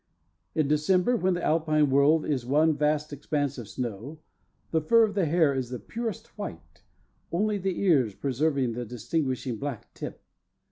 In December, when the Alpine world is one vast expanse of snow, the fur of the hare is the purest white, only the ears preserving the distinguishing black tip.